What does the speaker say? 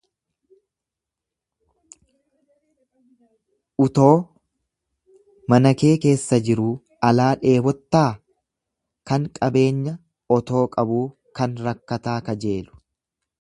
Utoo mana kee keessa jiruu alaa dheebottaa? Kan qabeenya otoo qabuu kan rakkataa kajeelu.